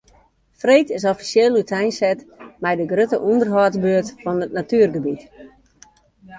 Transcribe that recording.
Freed is offisjeel úteinset mei de grutte ûnderhâldsbeurt fan it natuergebiet.